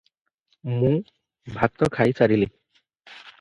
ମୁ ଭାତ ଖାଇସାରିଲି